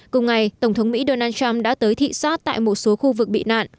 cùng ngày tổng thống mỹ donald trump đã tới thị xát tại một số khu vực bị nạn